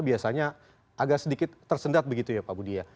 biasanya agak sedikit tersendat begitu ya pak budi ya